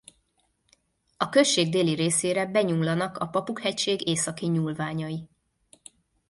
A község déli részére benyúlanak a Papuk-hegység északi nyúlványai.